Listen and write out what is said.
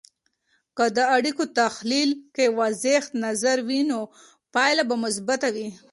که د اړیکو تحلیل کې واضح نظر وي، نو پایله به مثبته وي.